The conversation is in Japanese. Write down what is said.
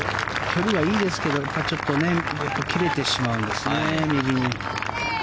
距離はいいですけど右に切れてしまうんですね。